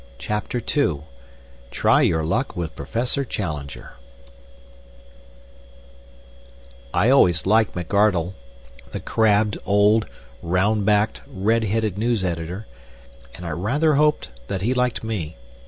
CHAPTER II "Try Your Luck with Professor Challenger" I always liked McArdle, the crabbed, old, round backed, red headed news editor, and I rather hoped that he liked me.